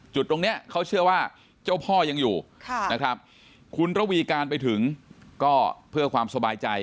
จุดตรงนี้เขาเชื่อว่าเจ้าพ่อยังอยู่นะครับคุณระวีการไปถึงก็เพื่อความสบายใจ